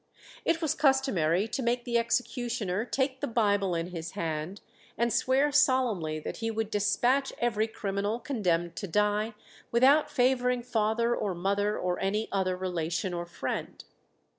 It was customary to make the executioner take the Bible in his hand, and swear solemnly that he would despatch every criminal condemned to die, without favouring father or mother or any other relation or friend.